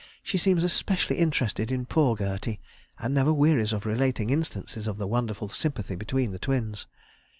She seems especially interested in poor Gertie, and never wearies of relating instances of the wonderful sympathy between the twins.